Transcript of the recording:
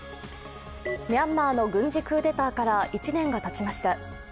ミャンマーの軍事クーデターから１年がたちました。